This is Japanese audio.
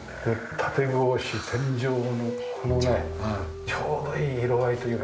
縦格子天井のこのねちょうどいい色合いというか。